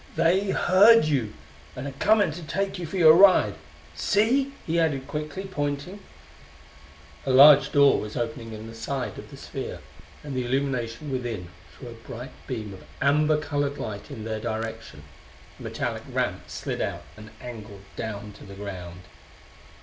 "They heard you, and're coming to take you for your ride. See?" he added quickly, pointing. A large door was opening in the side of the sphere, and the illumination within threw a bright beam of amber colored light in their direction. A metallic ramp slid out and angled down to the ground.